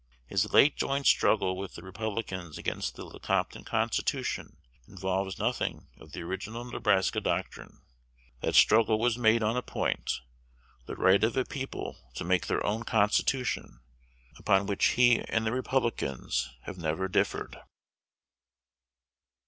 His late joint struggle with the Republicans against the Lecompton Constitution involves nothing of the original Nebraska doctrine. That struggle was made on a point the right of a people to make their own constitution upon which he and the Republicans have never differed.